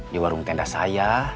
di warung tenda saya